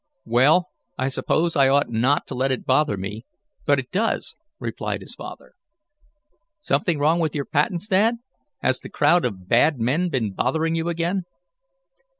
"Well, I suppose I ought not to let it bother me, but it does," replied his father. "Something wrong with your patents, Dad? Has the crowd of bad men been bothering you again?"